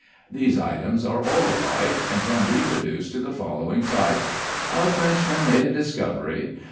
These items are all alike and can be reduced to the following type: A Frenchman made a discovery.